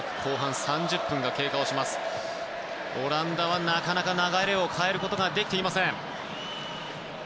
オランダはなかなか流れを変えることができていません。